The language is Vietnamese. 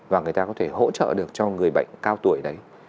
và người ta có thể hỗ trợ được cho người bệnh cao tuổi đấy